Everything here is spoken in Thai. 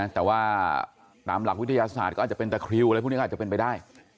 แต่ว่าตามหลักวิทยาศาสตร์ก็อาจจะเป็นตะคริวอะไรพวกนี้ก็อาจจะเป็นไปได้